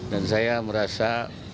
dan saya merasa